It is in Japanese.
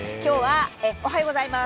おはようございます。